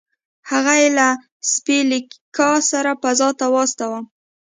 هغه یې له سپي لیکا سره فضا ته واستاوه